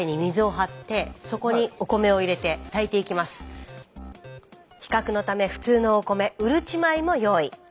こちら比較のため普通のお米うるち米も用意。